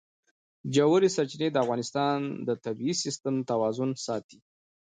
ژورې سرچینې د افغانستان د طبعي سیسټم توازن ساتي.